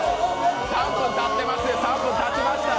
３分たってますから。